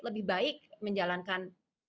lebih baik menjalankan